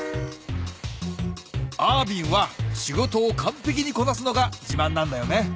アービンは仕事をかんぺきにこなすのがじまんなんだよね。